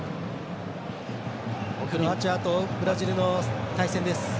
クロアチアとブラジルの対戦です。